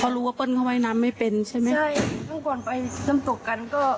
รู้ว่าเปิ้ลเขาว่ายน้ำไม่เป็นใช่ไหมใช่ซึ่งก่อนไปน้ำตกกันก็